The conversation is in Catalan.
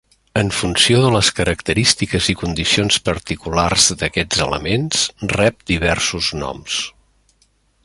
En funció de les característiques i condicions particulars d'aquests elements, rep diversos noms.